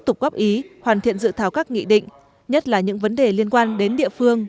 tục góp ý hoàn thiện dự thảo các nghị định nhất là những vấn đề liên quan đến địa phương